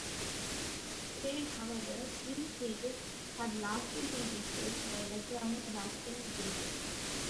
Today, however, these gauges have largely been replaced by electronic vacuum gauges.